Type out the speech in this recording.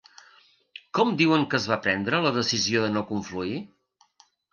Com diuen que es va prendre la decisió de no confluir?